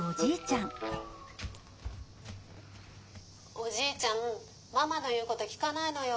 「おじいちゃんママの言うこと聞かないのよ。